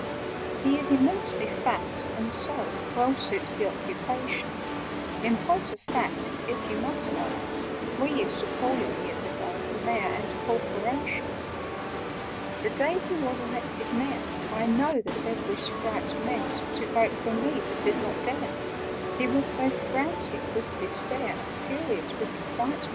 "He is immensely fat, and so Well suits the occupation: In point of fact, if you must know, We used to call him years ago, The Mayor and Corporation! [Picture: He goes about and sits on folk] "The day he was elected Mayor I know that every Sprite meant To vote for me, but did not dare— He was so frantic with despair And furious with excitement.